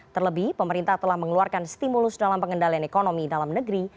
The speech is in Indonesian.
terlebih pemerintah telah mengeluarkan stimulus dalam pengendalian ekonomi dalam negeri